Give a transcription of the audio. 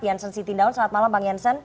janssen siti daun selamat malam bang janssen